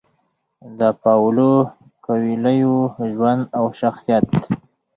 د پاولو کویلیو ژوند او شخصیت: